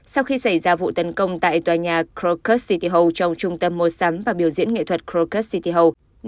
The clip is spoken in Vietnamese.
sau khi xảy ra vụ tấn công tại tòa nhà crocus city hall trong trung tâm mua sắm và biểu diễn nghệ thuật krocus city hall